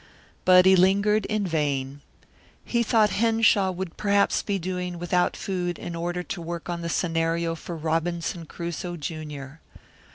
But he lingered in vain. He thought Henshaw would perhaps be doing without food in order to work on the scenario for Robinson Crusoe, Junior.